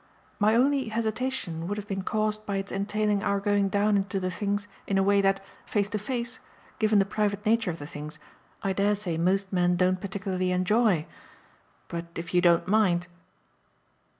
"My only hesitation would have been caused by its entailing our going down into things in a way that, face to face given the private nature of the things I dare say most men don't particularly enjoy. But if you don't mind